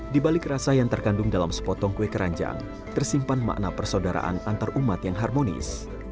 di balik rasa yang terkandung dalam sepotong kue keranjang tersimpan makna persaudaraan antarumat yang harmonis